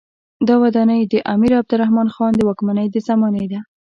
دا ودانۍ د امیر عبدالرحمن خان د واکمنۍ د زمانې ده.